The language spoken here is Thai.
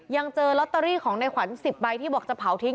ยังเจอลอตเตอรี่ของในขวัญ๑๐ใบที่บอกจะเผาทิ้ง